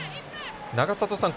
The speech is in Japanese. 永里さん